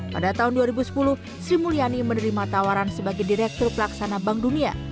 pada tahun dua ribu sepuluh sri mulyani menerima tawaran sebagai direktur pelaksana bank dunia